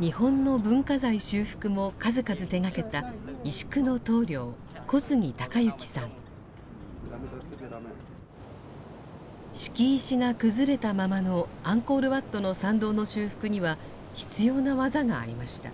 日本の文化財修復も数々手がけた敷石が崩れたままのアンコール・ワットの参道の修復には必要な技がありました。